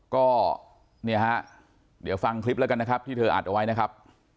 ก็เนี่ยฮะเดี๋ยวฟังคลิปแล้วกันนะครับที่เธออัดเอาไว้นะครับ